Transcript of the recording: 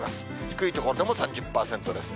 低い所でも３０％です。